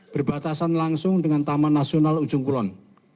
berbatasan langsung dengan taman nasional ujung kulon